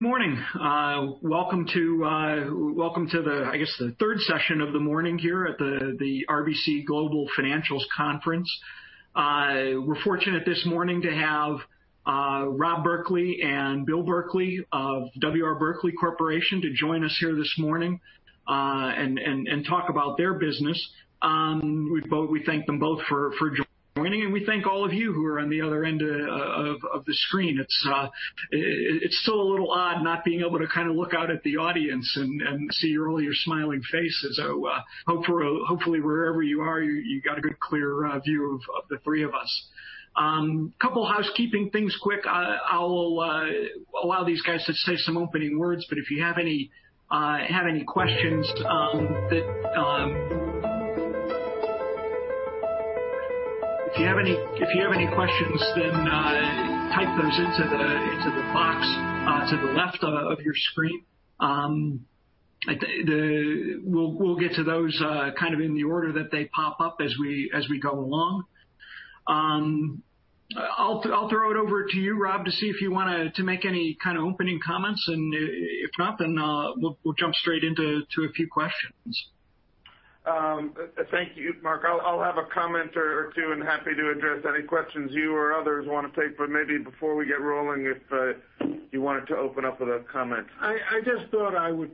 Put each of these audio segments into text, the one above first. Morning. Welcome to, I guess, the third session of the morning here at the RBC Global Financials conference. We're fortunate this morning to have Rob Berkley and Bill Berkley of W. R. Berkley Corporation to join us here this morning and talk about their business. We thank them both for joining, and we thank all of you who are on the other end of the screen. It's still a little odd not being able to look out at the audience and see all your smiling faces. Hopefully wherever you are, you got a good, clear view of the three of us. Couple housekeeping things quick. I'll allow these guys to say some opening words, but if you have any questions, then type those into the box to the left of your screen. We'll get to those in the order that they pop up as we go along. I'll throw it over to you, Rob, to see if you want to make any opening comments, and if not, then we'll jump straight into a few questions. Thank you, Mark. I'll have a comment or two, and happy to address any questions you or others want to take, but maybe before we get rolling, if you wanted to open up with a comment. I just thought I would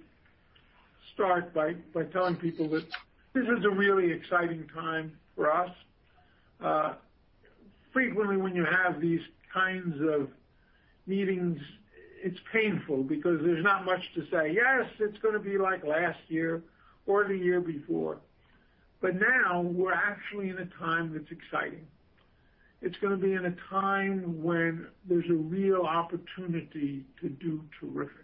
start by telling people that this is a really exciting time for us. Frequently, when you have these kinds of meetings, it's painful because there's not much to say. Yes, it's going to be like last year or the year before, but now we're actually in a time that's exciting. It's going to be in a time when there's a real opportunity to do terrific.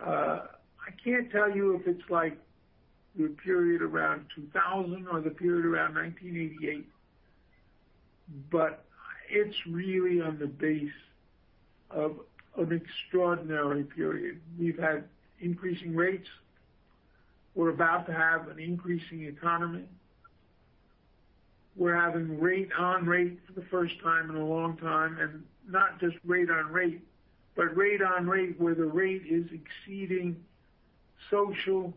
I can't tell you if it's like the period around 2000 or the period around 1988, but it's really on the base of an extraordinary period. We've had increasing rates. We're about to have an increasing economy. We're having rate on rate for the first time in a long time, and not just rate on rate, but rate on rate where the rate is exceeding social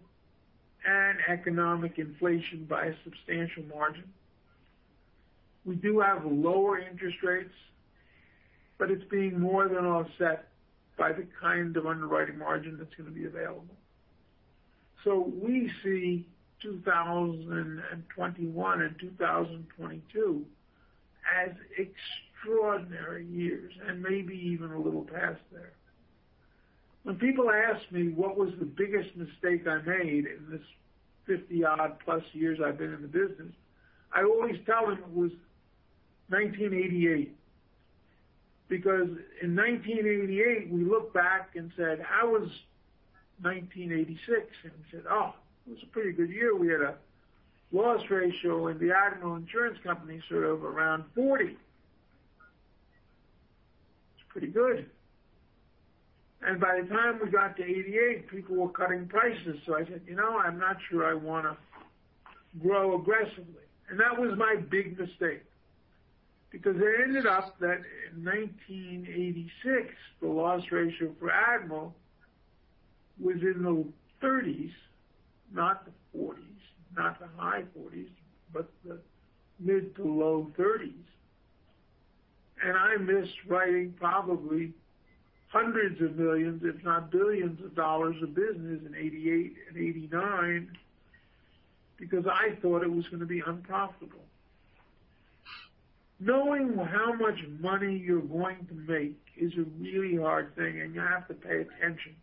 and economic inflation by a substantial margin. We do have lower interest rates, but it's being more than offset by the kind of underwriting margin that's going to be available. We see 2021 and 2022 as extraordinary years, and maybe even a little past there. When people ask me what was the biggest mistake I made in this 50-odd plus years I've been in the business, I always tell them it was 1988. In 1988, we looked back and said, "How was 1986?" We said, "Oh, it was a pretty good year. We had a loss ratio in the Admiral Insurance Company sort of around 40. It's pretty good." By the time we got to 1988, people were cutting prices, I said, "You know, I'm not sure I want to grow aggressively." That was my big mistake because it ended up that in 1986, the loss ratio for Admiral was in the 30s, not the 40s, not the high 40s, but the mid to low 30s. I missed writing probably hundreds of millions, if not billions of dollars of business in 1988 and 1989 because I thought it was going to be unprofitable. Knowing how much money you're going to make is a really hard thing, you have to pay attention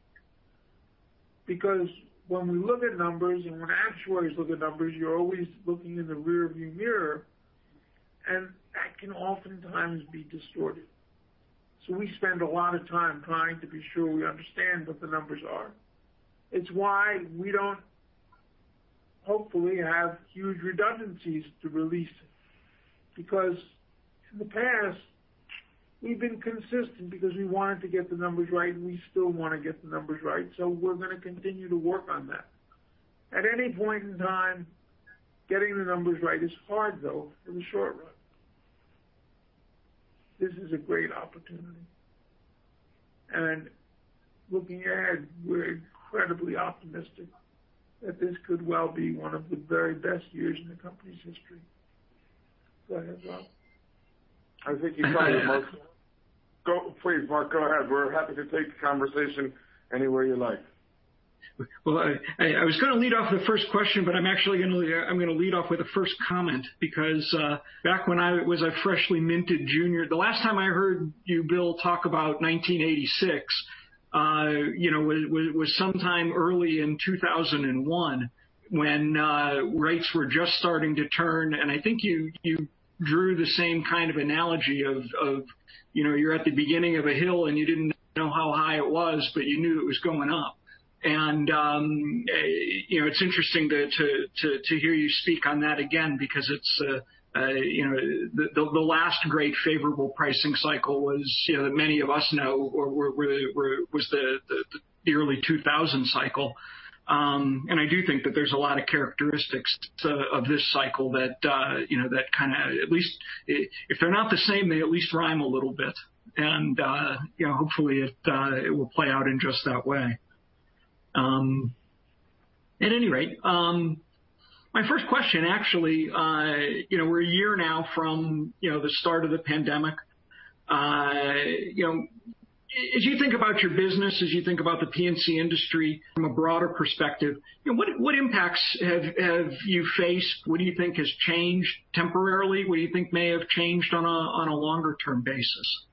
because when we look at numbers and when actuaries look at numbers, you're always looking in the rearview mirror, and that can oftentimes be distorted. We spend a lot of time trying to be sure we understand what the numbers are. It's why we don't, hopefully, have huge redundancies to release because in the past, we've been consistent because we wanted to get the numbers right, we still want to get the numbers right. We're going to continue to work on that. At any point in time, getting the numbers right is hard, though, in the short run. This is a great opportunity. Looking ahead, we're incredibly optimistic that this could well be one of the very best years in the company's history. Go ahead, Rob. I think you're fine, Mark. Please, Mark, go ahead. We're happy to take the conversation anywhere you like. Well, I was going to lead off with the first question, but I'm actually going to lead off with the first comment because back when I was a freshly minted junior, the last time I heard you, Bill, talk about 1986, was sometime early in 2001 when rates were just starting to turn, and I think you drew the same kind of analogy of you're at the beginning of a hill and you didn't know how high it was, but you knew it was going up. It's interesting to hear you speak on that again because the last great favorable pricing cycle was, that many of us know, was the early 2000 cycle. I do think that there's a lot of characteristics of this cycle that at least if they're not the same, they at least rhyme a little bit. Hopefully it will play out in just that way. At any rate, my first question actually, we're a year now from the start of the pandemic. As you think about your business, as you think about the P&C industry from a broader perspective, what impacts have you faced? What do you think has changed temporarily? What do you think may have changed on a longer-term basis?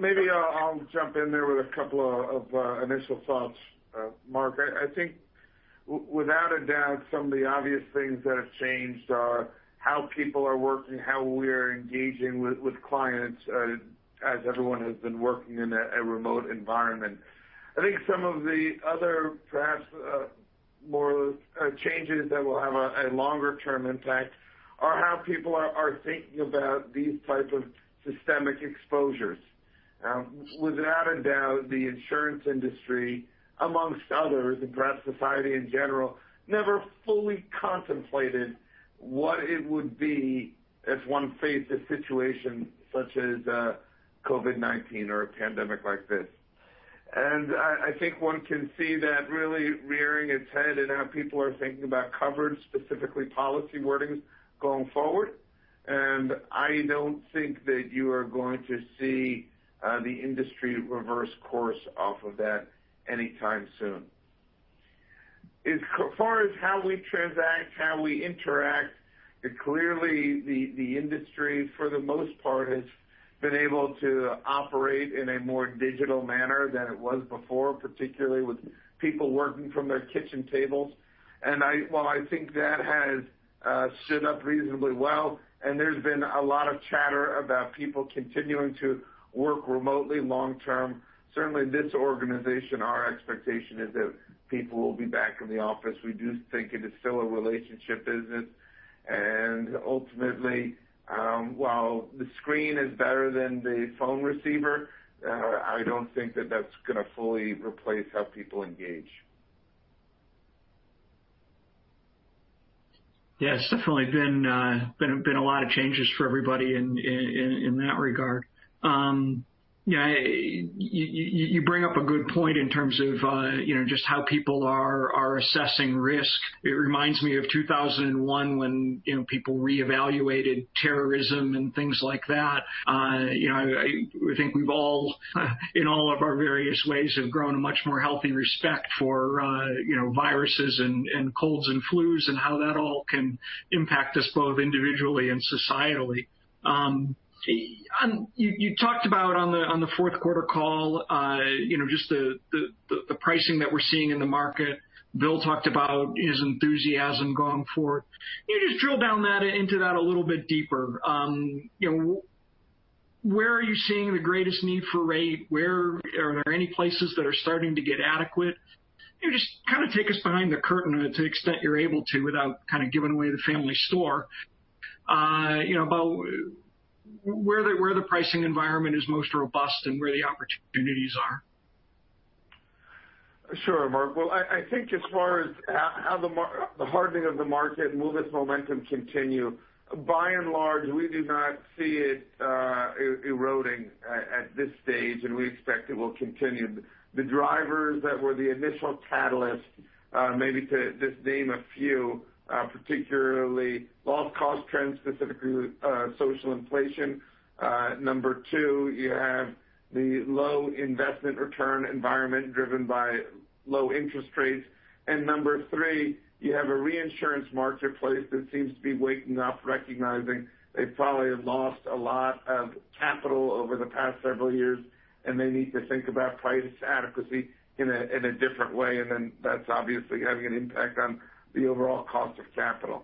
Maybe I'll jump in there with a couple of initial thoughts, Mark. I think without a doubt, some of the obvious things that have changed are how people are working, how we're engaging with clients as everyone has been working in a remote environment. I think some of the other, perhaps more changes that will have a longer-term impact are how people are thinking about these type of systemic exposures. Without a doubt, the insurance industry, amongst others, and perhaps society in general, never fully contemplated what it would be if one faced a situation such as COVID-19 or a pandemic like this. I don't think that you are going to see the industry reverse course off of that anytime soon. As far as how we transact, how we interact, clearly the industry, for the most part, has been able to operate in a more digital manner than it was before, particularly with people working from their kitchen tables. While I think that has stood up reasonably well and there's been a lot of chatter about people continuing to work remotely long term, certainly this organization, our expectation is that people will be back in the office. We do think it is still a relationship business, and ultimately, while the screen is better than the phone receiver, I don't think that that's going to fully replace how people engage. Yeah, it's definitely been a lot of changes for everybody in that regard. You bring up a good point in terms of just how people are assessing risk. It reminds me of 2001 when people reevaluated terrorism and things like that. I think we've all, in all of our various ways, have grown a much more healthy respect for viruses and colds and flus and how that all can impact us both individually and societally. You talked about on the fourth quarter call just the pricing that we're seeing in the market. Bill talked about his enthusiasm going forward. Can you just drill down into that a little bit deeper? Where are you seeing the greatest need for rate? Are there any places that are starting to get adequate? Just take us behind the curtain to the extent you're able to without giving away the family store, about where the pricing environment is most robust and where the opportunities are. Sure, Mark. Well, I think as far as how the hardening of the market will this momentum continue, by and large, we do not see it eroding at this stage, and we expect it will continue. The drivers that were the initial catalyst, maybe to just name a few, particularly loss cost trends, specifically with social inflation. Number 2, you have the low investment return environment driven by low interest rates. Number 3, you have a reinsurance marketplace that seems to be waking up, recognizing they probably have lost a lot of capital over the past several years, and they need to think about price adequacy in a different way, then that's obviously having an impact on the overall cost of capital.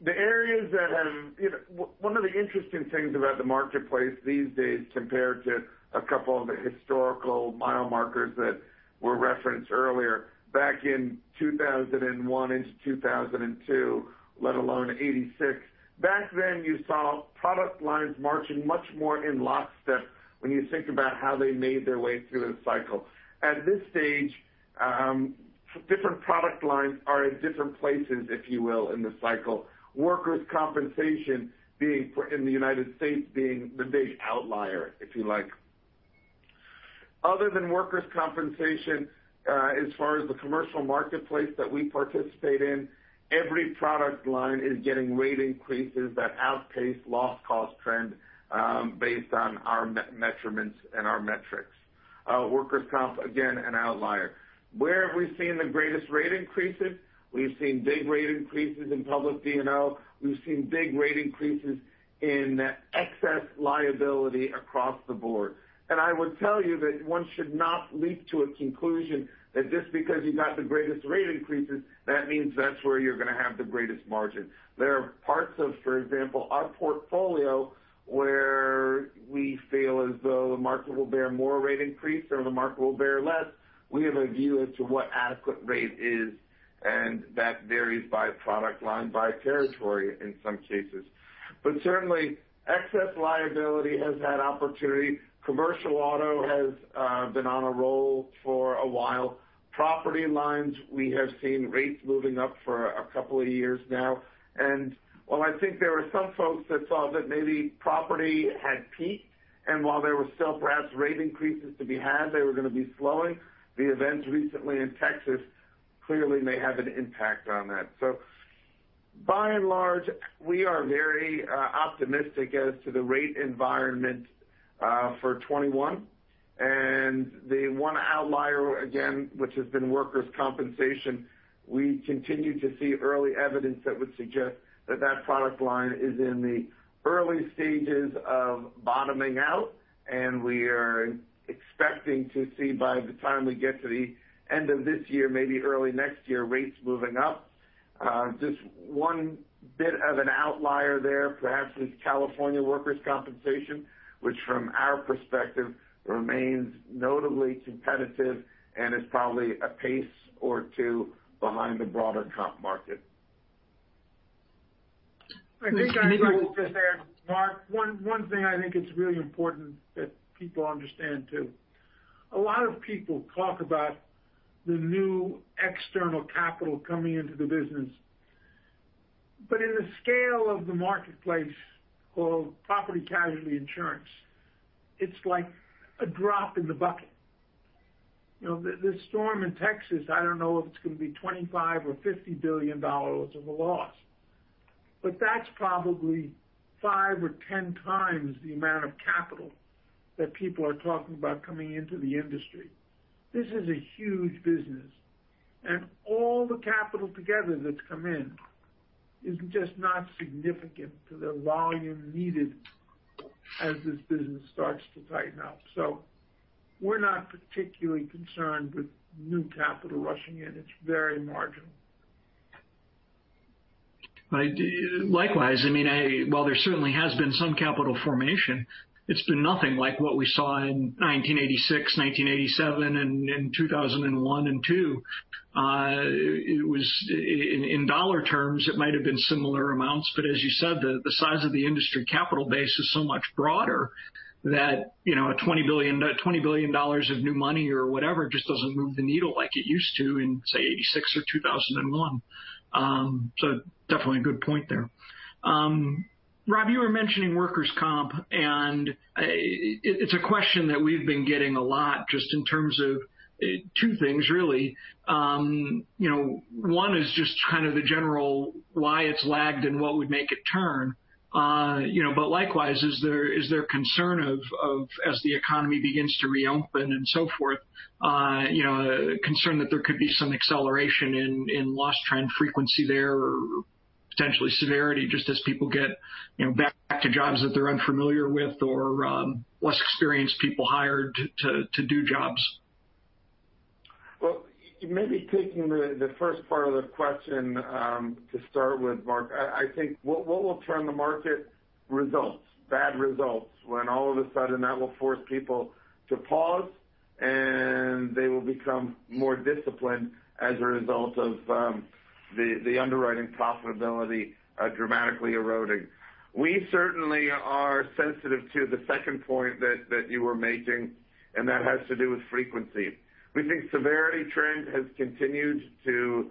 One of the interesting things about the marketplace these days compared to a couple of the historical mile markers that were referenced earlier, back in 2001 into 2002, let alone 1986, back then you saw product lines marching much more in lockstep when you think about how they made their way through the cycle. At this stage, different product lines are at different places, if you will, in the cycle. Workers' compensation in the U.S. being the big outlier, if you like. Other than workers' compensation, as far as the commercial marketplace that we participate in, every product line is getting rate increases that outpace loss cost trend based on our measurements and our metrics. Workers' comp, again, an outlier. Where have we seen the greatest rate increases? We've seen big rate increases in public D&O. We've seen big rate increases in excess liability across the board. I would tell you that one should not leap to a conclusion that just because you got the greatest rate increases, that means that's where you're going to have the greatest margin. There are parts of, for example, our portfolio where we feel as though the market will bear more rate increase or the market will bear less. We have a view as to what adequate rate is, and that varies by product line, by territory in some cases. Certainly, excess liability has had opportunity. Commercial auto has been on a roll for a while. Property lines, we have seen rates moving up for a couple of years now. While I think there are some folks that thought that maybe property had peaked, and while there were still perhaps rate increases to be had, they were going to be slowing, the events recently in Texas clearly may have an impact on that. By and large, we are very optimistic as to the rate environment for 2021. The one outlier, again, which has been workers' compensation, we continue to see early evidence that would suggest that that product line is in the early stages of bottoming out, and we are expecting to see by the time we get to the end of this year, maybe early next year, rates moving up. Just one bit of an outlier there, perhaps, is California workers' compensation, which from our perspective remains notably competitive and is probably a pace or two behind the broader comp market. I think I'd like to just add, Mark, one thing I think it's really important that people understand, too. A lot of people talk about the new external capital coming into the business. In the scale of the marketplace called property casualty insurance, it's like a drop in the bucket. The storm in Texas, I don't know if it's going to be $25 billion or $50 billion of a loss, but that's probably five or 10 times the amount of capital that people are talking about coming into the industry. This is a huge business, and all the capital together that's come in is just not significant to the volume needed as this business starts to tighten up. We're not particularly concerned with new capital rushing in. It's very marginal. Likewise. While there certainly has been some capital formation, it's been nothing like what we saw in 1986, 1987, and in 2001 and 2002. In dollar terms, it might've been similar amounts, but as you said, the size of the industry capital base is so much broader that a $20 billion of new money or whatever just doesn't move the needle like it used to in, say, 1986 or 2001. Definitely a good point there. Rob, you were mentioning workers' comp, and it's a question that we've been getting a lot just in terms of two things really. One is just kind of the general why it's lagged and what would make it turn. Likewise, is there concern of as the economy begins to reopen and so forth, concern that there could be some acceleration in loss trend frequency there or potentially severity just as people get back to jobs that they're unfamiliar with or less experienced people hired to do jobs? Maybe taking the first part of the question to start with, Mark. I think what will turn the market results, bad results, when all of a sudden that will force people to pause, and they will become more disciplined as a result of the underwriting profitability dramatically eroding. We certainly are sensitive to the second point that you were making, and that has to do with frequency. We think severity trend has continued to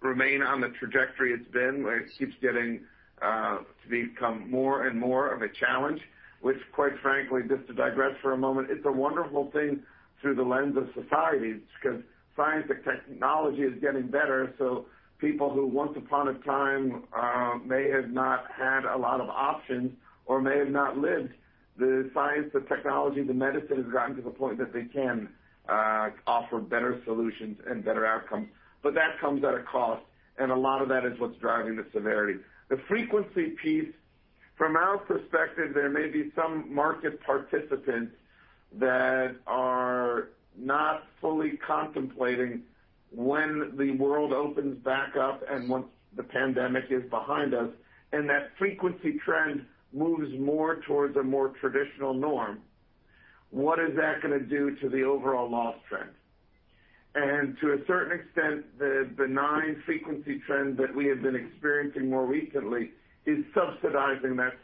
remain on the trajectory it's been, where it keeps getting to become more and more of a challenge, which quite frankly, just to digress for a moment, it's a wonderful thing through the lens of society because science and technology is getting better, so people who once upon a time may have not had a lot of options or may have not lived, the science, the technology, the medicine has gotten to the point that they can offer better solutions and better outcomes. That comes at a cost, and a lot of that is what's driving the severity. The frequency piece, from our perspective, there may be some market participants that are not fully contemplating when the world opens back up and once the pandemic is behind us, and that frequency trend moves more towards a more traditional norm, what is that going to do to the overall loss trend? To a certain extent, the benign frequency trend that we have been experiencing more recently is subsidizing that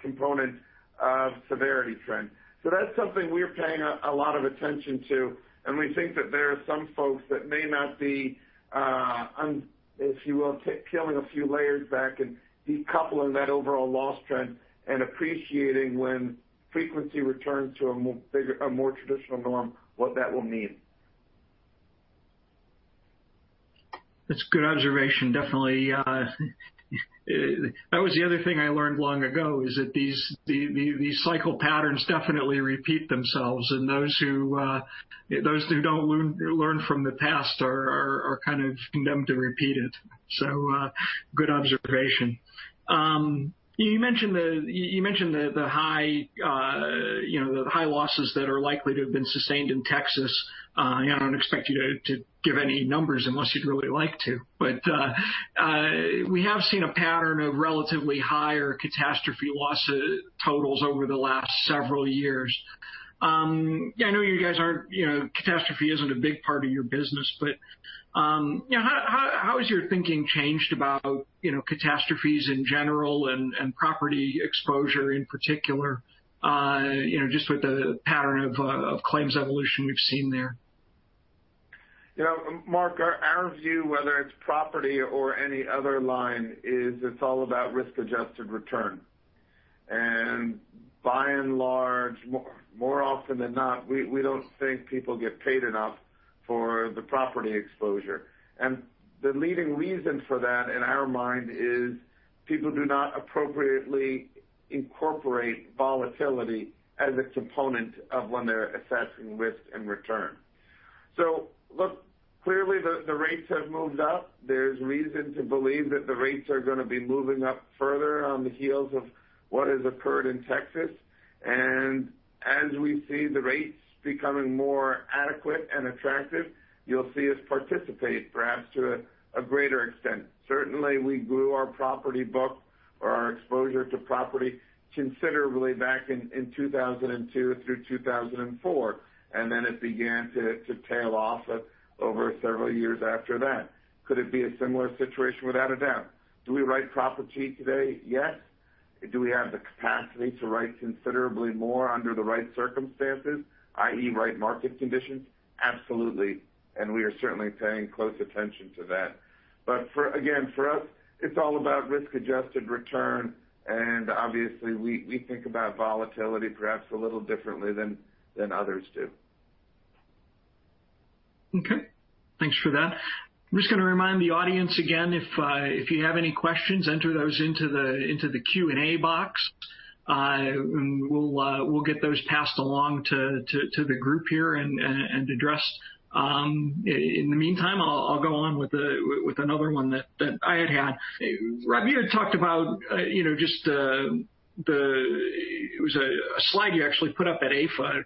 component of severity trend. That's something we're paying a lot of attention to, and we think that there are some folks that may not be, if you will, peeling a few layers back and decoupling that overall loss trend and appreciating when frequency returns to a more traditional norm, what that will mean. That's a good observation, definitely. That was the other thing I learned long ago is that these cycle patterns definitely repeat themselves, and those who don't learn from the past are kind of condemned to repeat it. Good observation. You mentioned the high losses that are likely to have been sustained in Texas. I don't expect you to give any numbers unless you'd really like to. We have seen a pattern of relatively higher catastrophe loss totals over the last several years. I know catastrophe isn't a big part of your business, but how has your thinking changed about catastrophes in general and property exposure in particular, just with the pattern of claims evolution we've seen there? Mark, our view, whether it's property or any other line, is it's all about risk-adjusted return. By and large, more often than not, we don't think people get paid enough for the property exposure. The leading reason for that, in our mind, is people do not appropriately incorporate volatility as a component of when they're assessing risk and return. Look, clearly the rates have moved up. There's reason to believe that the rates are going to be moving up further on the heels of what has occurred in Texas. As we see the rates becoming more adequate and attractive, you'll see us participate, perhaps to a greater extent. Certainly, we grew our property book or our exposure to property considerably back in 2002 through 2004, and then it began to tail off over several years after that. Could it be a similar situation? Without a doubt. Do we write property today? Yes. Do we have the capacity to write considerably more under the right circumstances, i.e., right market conditions? Absolutely. We are certainly paying close attention to that. Again, for us, it's all about risk-adjusted return, and obviously, we think about volatility perhaps a little differently than others do. Okay. Thanks for that. I'm just going to remind the audience again, if you have any questions, enter those into the Q&A box, and we'll get those passed along to the group here and addressed. In the meantime, I'll go on with another one that I had had. Rob, you had talked about just it was a slide you actually put up at AFA,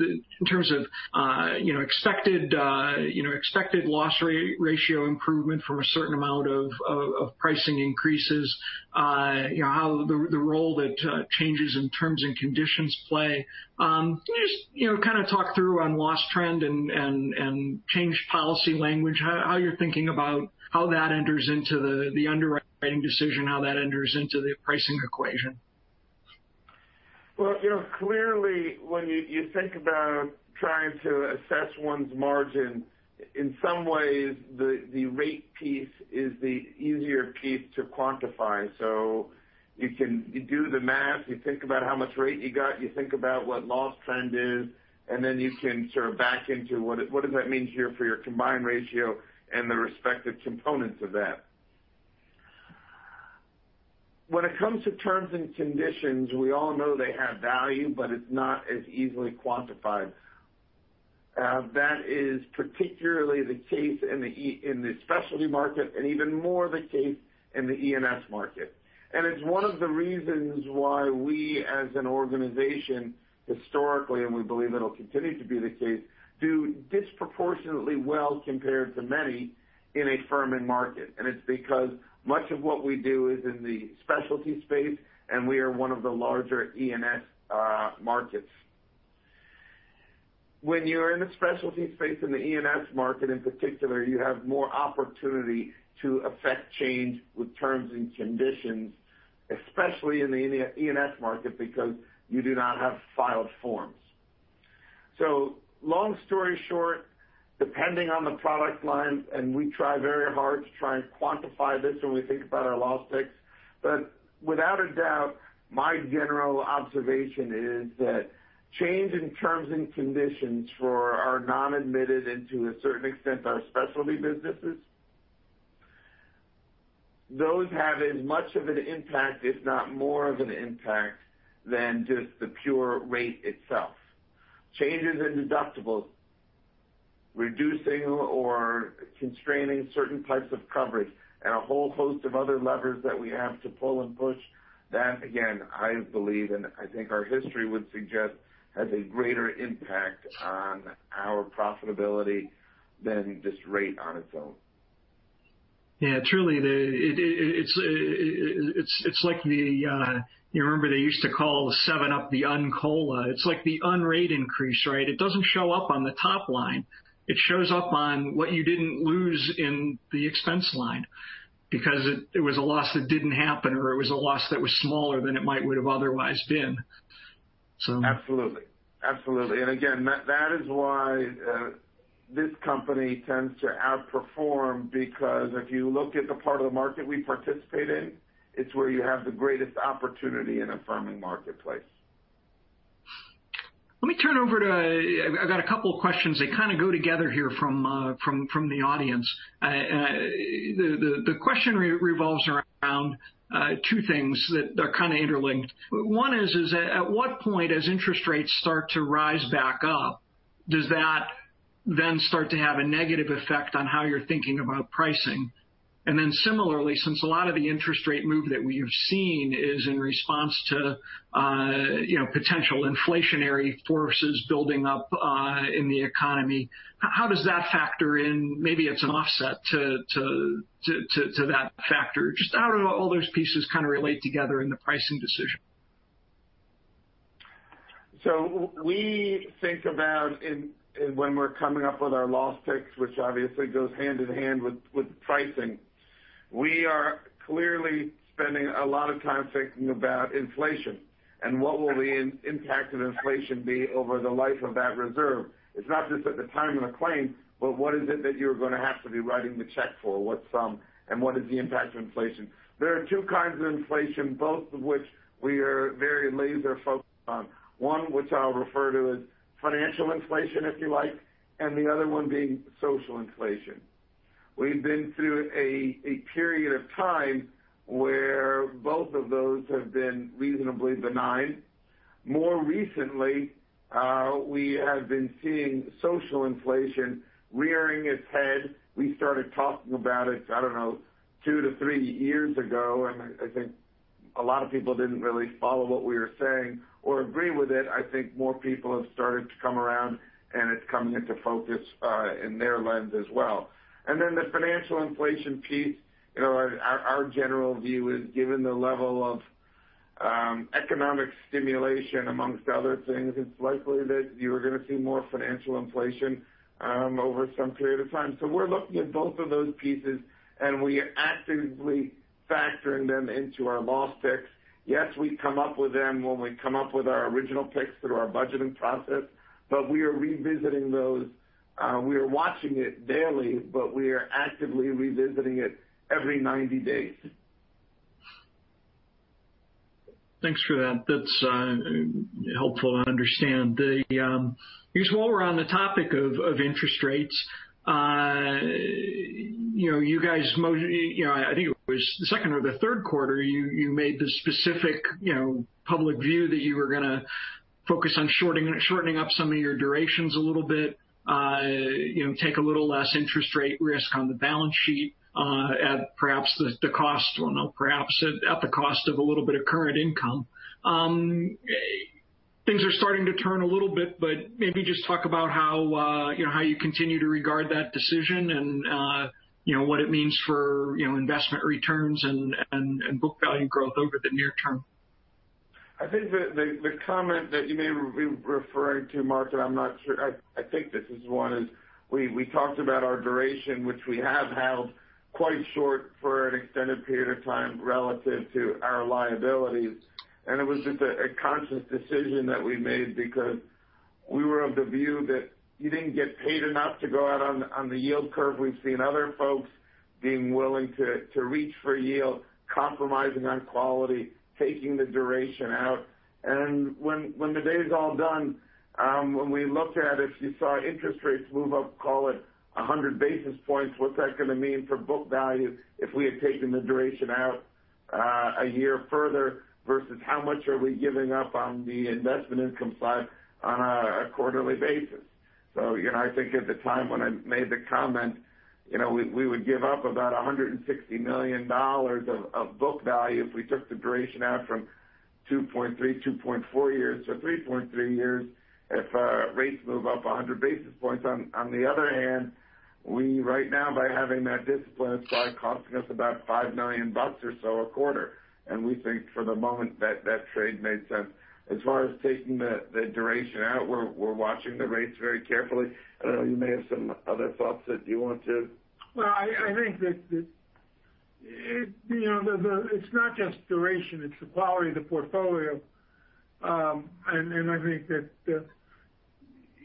in terms of expected loss ratio improvement from a certain amount of pricing increases, how the role that changes in terms and conditions play. Can you just talk through on loss trend and change policy language, how you're thinking about how that enters into the underwriting decision, how that enters into the pricing equation? Clearly, when you think about trying to assess one's margin, in some ways, the rate piece is the easier piece to quantify. You do the math, you think about how much rate you got, you think about what loss trend is, then you can sort of back into what does that mean here for your combined ratio and the respective components of that. When it comes to terms and conditions, we all know they have value, it's not as easily quantified. That is particularly the case in the specialty market and even more the case in the E&S market. It's one of the reasons why we, as an organization, historically, and we believe it'll continue to be the case, do disproportionately well compared to many in a firming market. It's because much of what we do is in the specialty space, and we are one of the larger E&S markets. When you're in a specialty space, in the E&S market in particular, you have more opportunity to affect change with terms and conditions, especially in the E&S market, because you do not have filed forms. Long story short, depending on the product line, and we try very hard to try and quantify this when we think about our loss picks, without a doubt, my general observation is that change in terms and conditions for our non-admitted and to a certain extent our specialty businesses, those have as much of an impact, if not more of an impact, than just the pure rate itself. Changes in deductibles, reducing or constraining certain types of coverage, a whole host of other levers that we have to pull and push, that again, I believe, and I think our history would suggest, has a greater impact on our profitability than just rate on its own. Yeah. Truly, it's like the, you remember they used to call the 7UP the Uncola. It's like the un-rate increase, right? It doesn't show up on the top line. It shows up on what you didn't lose in the expense line because it was a loss that didn't happen, or it was a loss that was smaller than it might would've otherwise been. Absolutely. Absolutely. Again, that is why this company tends to outperform because if you look at the part of the market we participate in, it's where you have the greatest opportunity in a firming marketplace. Let me turn over to, I've got a couple of questions that kind of go together here from the audience. The question revolves around two things that are kind of interlinked. One is, at what point, as interest rates start to rise back up, does that then start to have a negative effect on how you're thinking about pricing? Similarly, since a lot of the interest rate move that we have seen is in response to potential inflationary forces building up in the economy, how does that factor in? Maybe it's an offset to that factor. Just how do all those pieces kind of relate together in the pricing decision? We think about when we're coming up with our loss picks, which obviously goes hand in hand with pricing, we are clearly spending a lot of time thinking about inflation. What will the impact of inflation be over the life of that reserve? It's not just at the time of the claim, but what is it that you're going to have to be writing the check for? What's sum, and what is the impact of inflation? There are two kinds of inflation, both of which we are very laser-focused on. One, which I'll refer to as financial inflation, if you like, and the other one being social inflation. We've been through a period of time where both of those have been reasonably benign. More recently, we have been seeing social inflation rearing its head. We started talking about it, I don't know, two to three years ago, I think a lot of people didn't really follow what we were saying or agree with it. I think more people have started to come around and it's coming into focus in their lens as well. The financial inflation piece, our general view is, given the level of economic stimulation amongst other things, it's likely that you are going to see more financial inflation over some period of time. We're looking at both of those pieces and we are actively factoring them into our loss picks. Yes, we come up with them when we come up with our original picks through our budgeting process, we are revisiting those. We are watching it daily, we are actively revisiting it every 90 days. Thanks for that. That's helpful to understand. I guess while we're on the topic of interest rates, you guys mostly, I think it was the second or the third quarter, you made the specific public view that you were going to focus on shortening up some of your durations a little bit. Take a little less interest rate risk on the balance sheet, perhaps at the cost of a little bit of current income. Things are starting to turn a little bit. Maybe just talk about how you continue to regard that decision and what it means for investment returns and book value growth over the near term. I think the comment that you may be referring to, Mark, and I'm not sure, I think this is one, is we talked about our duration, which we have held quite short for an extended period of time relative to our liabilities. It was just a conscious decision that we made because we were of the view that you didn't get paid enough to go out on the yield curve. We've seen other folks being willing to reach for yield, compromising on quality, taking the duration out. When the day's all done, when we looked at if you saw interest rates move up, call it 100 basis points, what's that going to mean for book value if we had taken the duration out a year further, versus how much are we giving up on the investment income side on a quarterly basis? I think at the time when I made the comment, we would give up about $160 million of book value if we took the duration out from 2.3, 2.4 years to 3.3 years if rates move up 100 basis points. On the other hand, we right now, by having that discipline, it's probably costing us about $5 million or so a quarter. We think for the moment that trade made sense. As far as taking the duration out, we're watching the rates very carefully. I don't know, you may have some other thoughts that you want to Well, I think that it's not just duration, it's the quality of the portfolio. I think that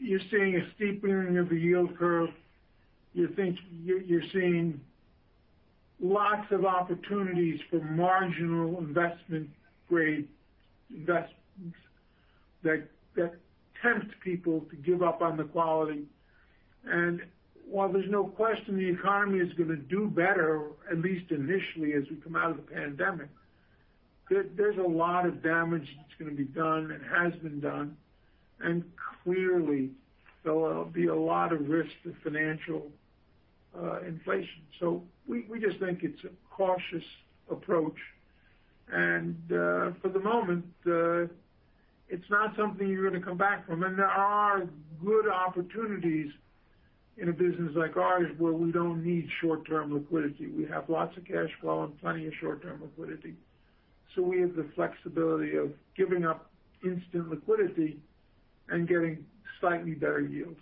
you're seeing a steepening of the yield curve. You're seeing lots of opportunities for marginal investment grade investments that tempt people to give up on the quality. While there's no question the economy is going to do better, at least initially as we come out of the pandemic, there's a lot of damage that's going to be done and has been done, and clearly there'll be a lot of risk to financial inflation. We just think it's a cautious approach and, for the moment, it's not something you're going to come back from. There are good opportunities in a business like ours where we don't need short-term liquidity. We have lots of cash flow and plenty of short-term liquidity. We have the flexibility of giving up instant liquidity and getting slightly better yields.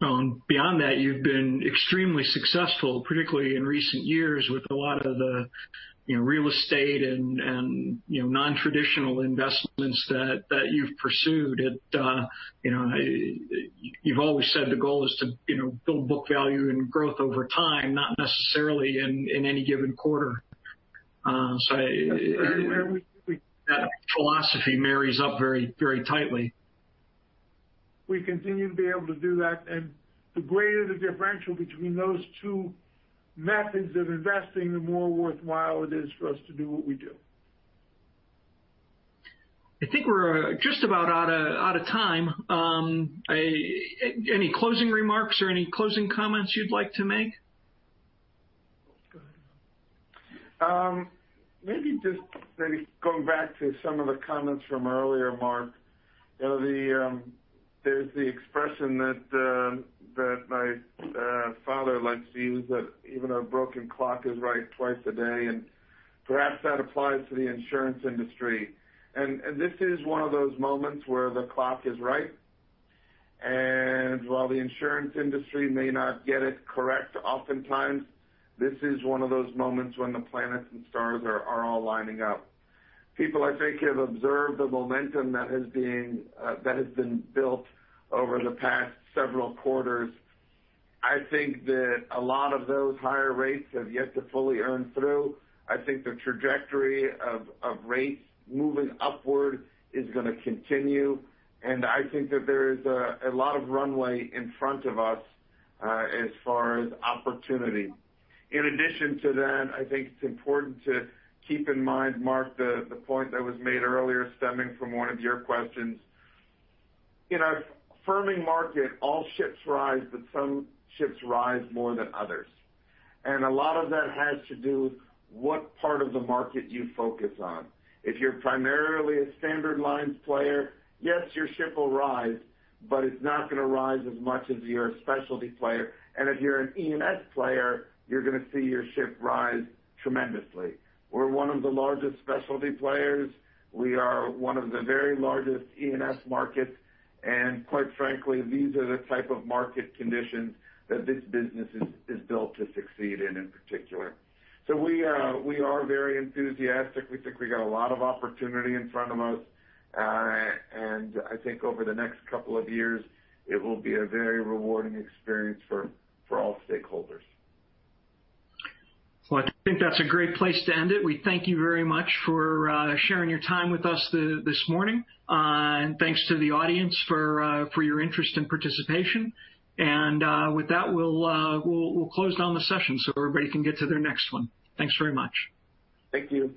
Beyond that, you've been extremely successful, particularly in recent years, with a lot of the real estate and non-traditional investments that you've pursued. You've always said the goal is to build book value and growth over time, not necessarily in any given quarter. That philosophy marries up very tightly. We continue to be able to do that, the greater the differential between those two methods of investing, the more worthwhile it is for us to do what we do. I think we're just about out of time. Any closing remarks or any closing comments you'd like to make? Go ahead. Maybe just going back to some of the comments from earlier, Mark. There's the expression that my father likes to use that even a broken clock is right twice a day, perhaps that applies to the insurance industry. This is one of those moments where the clock is right, and while the insurance industry may not get it correct oftentimes, this is one of those moments when the planets and stars are all lining up. People, I think, have observed the momentum that has been built over the past several quarters. I think that a lot of those higher rates have yet to fully earn through. I think the trajectory of rates moving upward is going to continue. I think that there is a lot of runway in front of us as far as opportunity. In addition to that, I think it's important to keep in mind, Mark, the point that was made earlier stemming from one of your questions. In a firming market, all ships rise, but some ships rise more than others. A lot of that has to do what part of the market you focus on. If you're primarily a standard lines player, yes, your ship will rise, but it's not going to rise as much as your specialty player. If you're an E&S player, you're going to see your ship rise tremendously. We're one of the largest specialty players. We are one of the very largest E&S markets, and quite frankly, these are the type of market conditions that this business is built to succeed in in particular. We are very enthusiastic. We think we got a lot of opportunity in front of us. I think over the next couple of years, it will be a very rewarding experience for all stakeholders. Well, I think that's a great place to end it. We thank you very much for sharing your time with us this morning. Thanks to the audience for your interest and participation. With that, we'll close down the session so everybody can get to their next one. Thanks very much. Thank you.